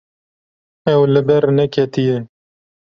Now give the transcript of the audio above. Ew li ber neketiye.